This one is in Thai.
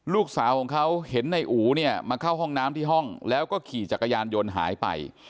ลูกสาวของเขาเห็นในอู๋เนี่ยมาเข้าห้องน้ำที่ห้องแล้วก็ขี่จักรยานยนต์หายไป